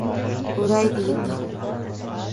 O’raydi yetti xil